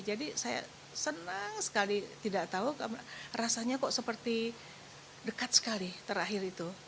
jadi saya senang sekali tidak tahu rasanya kok seperti dekat sekali terakhir ini ya